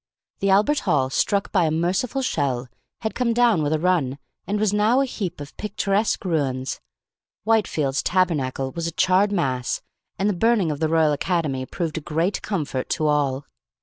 The Albert Hall, struck by a merciful shell, had come down with a run, and was now a heap of picturesque ruins; Whitefield's Tabernacle was a charred mass; and the burning of the Royal Academy proved a great comfort to all.